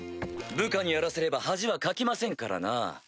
部下にやらせれば恥はかきませんからな。